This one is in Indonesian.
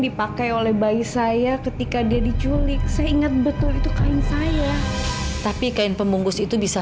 dipakai oleh bayi saya ketika dia diculik saya ingat betul itu kain saya tapi kain pembungkus itu bisa